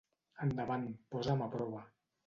Endavant, posa'm a prova.